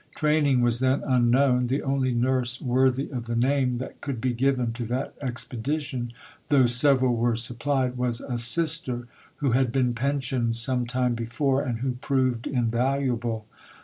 Training was then unknown; the only nurse worthy of the name that could be given to that expedition, though several were supplied, was a "Sister" who had been pensioned some time before, and who proved invaluable.